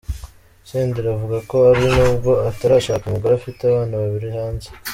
Senderi avuga ko ariko nubwo atarashaka umugore afite abana babiri hanze.